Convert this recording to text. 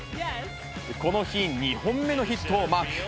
この日、２本目のヒットをマーク。